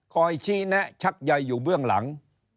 คอยชี้แนะชักใยอยู่เบื้องหลัง